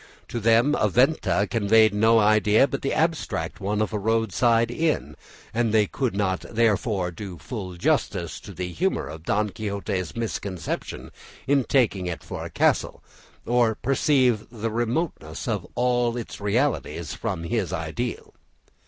To them a venta conveyed no idea but the abstract one of a roadside inn, and they could not therefore do full justice to the humour of Don Quixote's misconception in taking it for a castle, or perceive the remoteness of all its realities from his ideal.